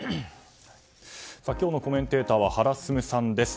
今日のコメンテーターは原晋さんです。